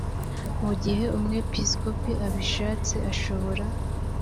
mugihe umwepisikopi abishatse ashobora